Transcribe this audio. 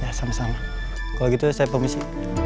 ya sama sama kalau gitu saya komisi